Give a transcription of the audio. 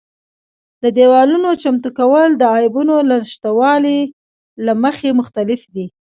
د دېوالونو چمتو کول د عیبونو له شتوالي له مخې مختلف دي.